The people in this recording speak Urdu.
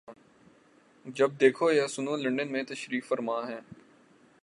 جب دیکھو یا سنو تو لندن میں تشریف فرما ہیں۔